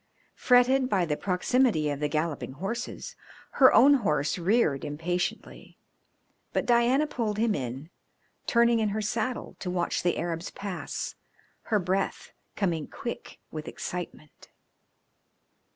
Fretted by the proximity of the galloping horses, her own horse reared impatiently, but Diana pulled him in, turning in her saddle to watch the Arabs pass, her breath coming quick with excitement.